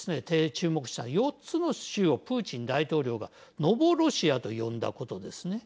注目したのは４つの州をプーチン大統領がノボロシアと呼んだことですね。